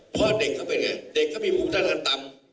เพราะเด็กเขาเป็นไงเด็กเขามีภูมิคุมสร้างทางต่ำ